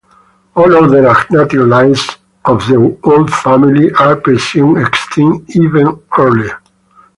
All other agnatic lines of the old family are presumed extinct even earlier.